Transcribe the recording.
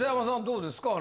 どうですか？